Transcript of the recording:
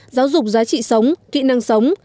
giáo dục giá trị sống kỹ năng sống